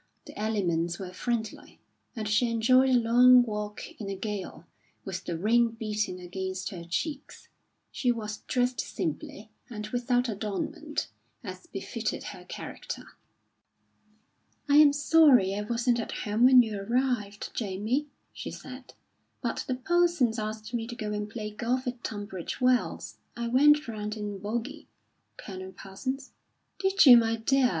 The elements were friendly, and she enjoyed a long walk in a gale, with the rain beating against her cheeks. She was dressed simply and without adornment, as befitted her character. "I am sorry I wasn't at home when you arrived, Jamie," she said; "but the Polsons asked me to go and play golf at Tunbridge Wells. I went round in bogy, Colonel Parsons." "Did you, my dear?